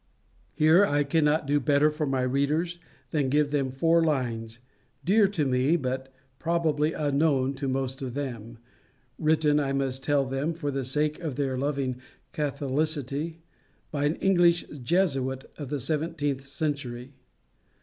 Here I cannot do better for my readers than give them four lines, dear to me, but probably unknown to most of them, written, I must tell them, for the sake of their loving catholicity, by an English Jesuit of the seventeenth century.